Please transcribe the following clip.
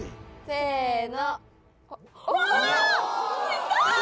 せの。